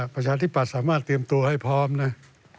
พระชาติปัตส์สามารถได้เตรียมตัวให้พร้ำ